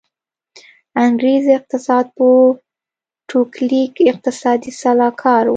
انګرېز اقتصاد پوه ټو کلیک اقتصادي سلاکار و.